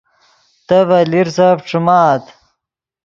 تے ڤے لیرسف ݯیمآت